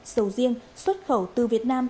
sầu riêng xuất khẩu từ việt nam